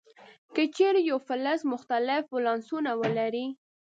که چیرې یو فلز مختلف ولانسونه ولري.